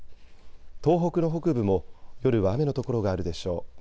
東北の北部も夜は雨の所があるでしょう。